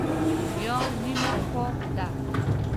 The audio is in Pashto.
نیا نیمه خوا ده.